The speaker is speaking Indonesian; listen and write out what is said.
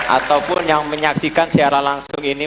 ataupun yang menyaksikan siaran langsung ini